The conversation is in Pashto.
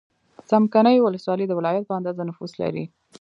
څمکنیو ولسوالۍ د ولایت په اندازه نفوس لري.